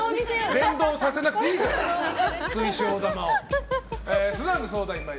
連動させなくていいから水晶玉を。